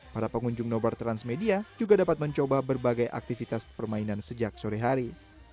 para pengunjung nobar transmedia juga dapat mencoba berbagai aktivitas permainan sejak sore hari